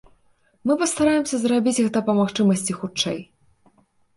Мы пастараемся зрабіць гэта па магчымасці хутчэй.